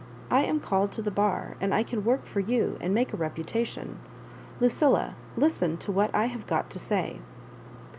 I am called to the bar, and I can work for you, and make a reputation. Lucilla, listen to what I have got to say."